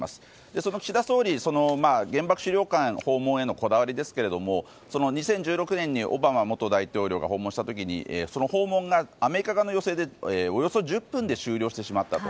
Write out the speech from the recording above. その岸田総理、原爆資料館訪問へのこだわりですが２０１６年にオバマ元大統領が訪問した時にその訪問がアメリカ側の要請でおよそ１０分で終了してしまったと。